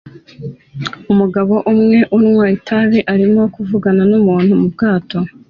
Umugabo umwe unywa itabi arimo avugana numuntu mubwato